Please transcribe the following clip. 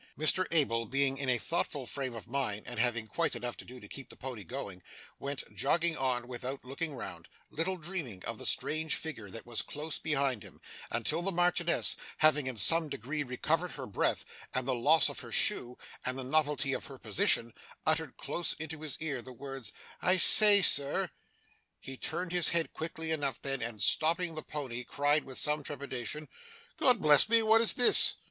Mr Abel being in a thoughtful frame of mind, and having quite enough to do to keep the pony going, went jogging on without looking round: little dreaming of the strange figure that was close behind him, until the Marchioness, having in some degree recovered her breath, and the loss of her shoe, and the novelty of her position, uttered close into his ear, the words 'I say, Sir' He turned his head quickly enough then, and stopping the pony, cried, with some trepidation, 'God bless me, what is this!